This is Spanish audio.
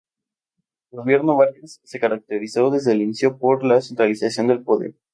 El Gobierno Vargas se caracterizó desde el inicio por la centralización del poder.